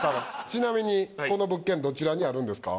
ちなみにこの物件どちらにあるんですか？